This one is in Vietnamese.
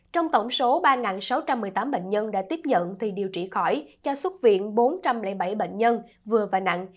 trong tổng số ba sáu trăm một mươi tám bệnh nhân đã tiếp nhận thì điều trị khỏi cho xuất viện bốn trăm linh bảy bệnh nhân vừa và nặng